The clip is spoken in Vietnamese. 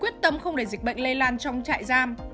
quyết tâm không để dịch bệnh lây lan trong trại giam